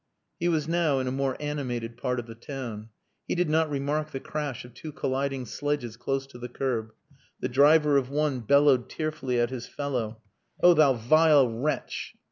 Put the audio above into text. He was now in a more animated part of the town. He did not remark the crash of two colliding sledges close to the curb. The driver of one bellowed tearfully at his fellow "Oh, thou vile wretch!"